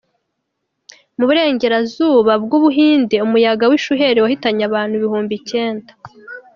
Mu burengerazuba bwUbuhinde umuyaga wishuheli wahitanye abantu ibihumi icyenda.